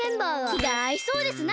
きがあいそうですな。